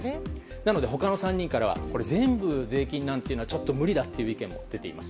なので他の３人からは全部税金というのは無理だという意見も出ています。